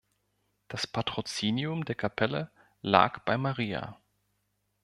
Das Patrozinium der Kapelle lag bei Maria.